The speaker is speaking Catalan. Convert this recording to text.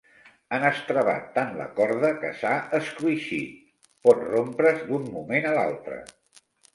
Han estrebat tant la corda, que s'ha escruixit: pot rompre's d'un moment a l'altre.